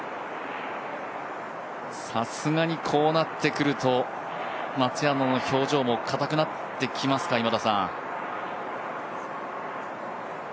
さすがにこうなってくると松山の表情もかたくなってきますか？